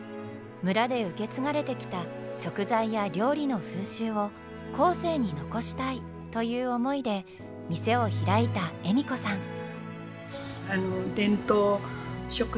村で受け継がれてきた食材や料理の風習を後世に残したいという思いで店を開いた笑子さん。